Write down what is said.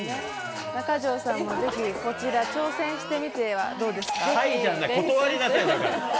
中条さんもぜひこちら挑戦してみてはどうですか。